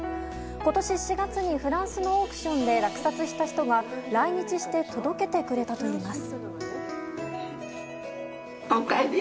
今年４月に、フランスのオークションで落札した人が来日して届けてくれたといいます。